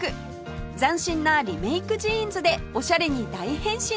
斬新なリメイクジーンズでオシャレに大変身です！